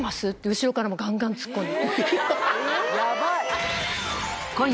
後ろからガンガンツッコむ。